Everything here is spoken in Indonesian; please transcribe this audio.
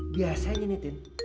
biasanya nih tin